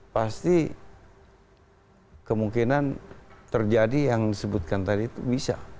pasti kemungkinan terjadi yang disebutkan tadi itu bisa